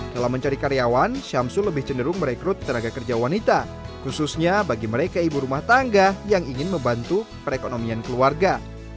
dalam mencari karyawan syamsul lebih cenderung merekrut tenaga kerja wanita khususnya bagi mereka ibu rumah tangga yang ingin membantu perekonomian keluarga